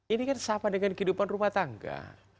ini kan sama dengan kehidupan rumah tangga